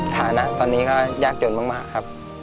ฐานะตอนนี้ก็ยากจนมากครับ